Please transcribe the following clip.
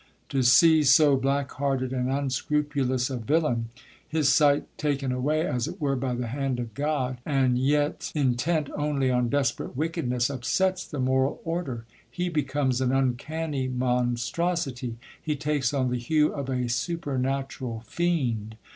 To see so black hearted and unscrupulous a villain, his sight taken away as it were by the hand of God, and yet intent only on desperate wickedness, upsets the moral order; he becomes an uncanny monstrosity; he takes on the hue of a supernatural fiend.